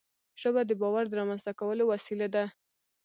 ژبه د باور د رامنځته کولو وسیله ده